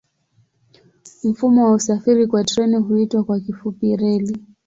Mfumo wa usafiri kwa treni huitwa kwa kifupi reli.